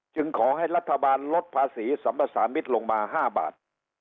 ขอให้รัฐบาลลดภาษีสัมภาษามิตรลงมา๕บาท